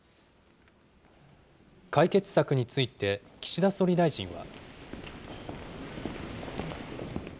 解決策について、岸田総理大臣は。